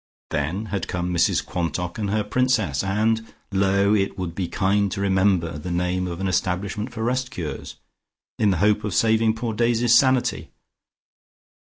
Then had come Mrs Quantock and her Princess, and, lo, it would be kind to remember the name of an establishment for rest cures, in the hope of saving poor Daisy's sanity.